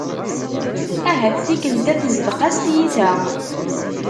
Ahat tikelt-a tezdeq-as tyita.